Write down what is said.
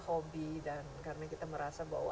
hobi dan karena kita merasa bahwa